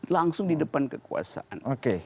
langsung di depan kekuasaan